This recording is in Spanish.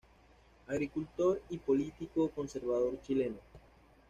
Agricultor y político conservador chileno.